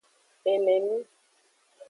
Enemi.